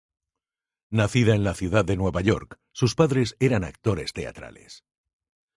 Nacida en la ciudad de Nueva York, sus padres eran actores teatrales.